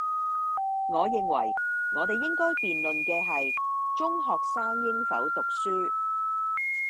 我認為，我哋應該辯論嘅係，中學生應否讀書?